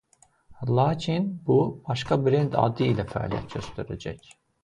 Lakin bu başqa brend adı ilə fəaliyyət göstərəcək.